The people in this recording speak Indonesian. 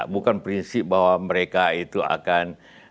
bukan prinsip bahwa mereka itu akan